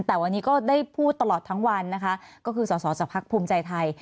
แต่วันนี้ก็ได้พูดตลอดทั้งวันนะคะก็คือสอสอจากภักดิ์ภูมิใจไทย